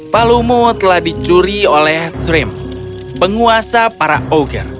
palu telah dicuri oleh thrim penguasa para ogre